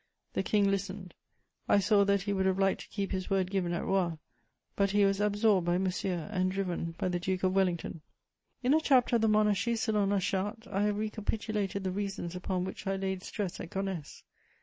The King listened: I saw that he would have liked to keep his word given at Roye; but he was absorbed by Monsieur and driven by the Duke of Wellington. [Sidenote: Fouché.] In a chapter of the Monarchie selon la Charte, I have recapitulated the reasons upon which I laid stress at Gonesse.